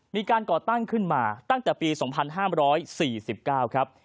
ก่อตั้งขึ้นมาตั้งแต่ปี๒๕๔๙ครับ